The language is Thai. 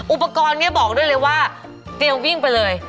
อุปกรณ์นี้บอกด้วยเลยว่าเตรียมวิ่งไปเลย